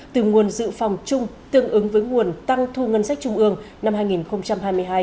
từ nguồn dự phòng chung tương ứng với nguồn tăng thu ngân sách trung ương năm hai nghìn hai mươi hai